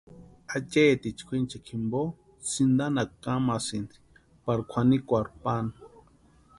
Acheeticha kwʼinchikwa jimpo sïntanhakwa kamansïni pari kwʼanikwarhu pani.